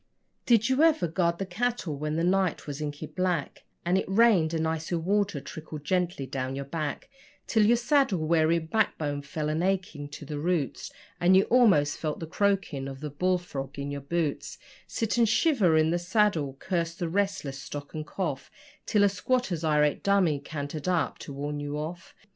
Did you ever guard the cattle when the night was inky black, And it rained, and icy water trickled gently down your back Till your saddle weary backbone fell a aching to the roots And you almost felt the croaking of the bull frog in your boots Sit and shiver in the saddle, curse the restless stock and cough Till a squatter's irate dummy cantered up to warn you off?